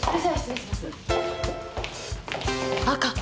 赤。